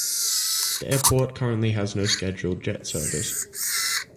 The airport currently has no scheduled jet service.